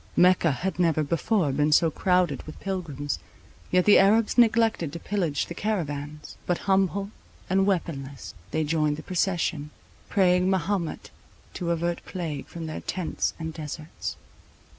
Mecca had never before been so crowded with pilgrims; yet the Arabs neglected to pillage the caravans, but, humble and weaponless, they joined the procession, praying Mahomet to avert plague from their tents and deserts.